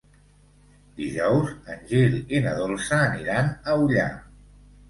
Dijous en Gil i na Dolça aniran a Ullà.